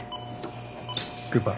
クーパー。